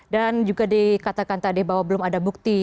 dan juga dikatakan tadi bahwa belum ada bukti